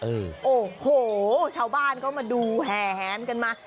โอ้โหชาวบ้านมาดูแห่งแห่งกันมา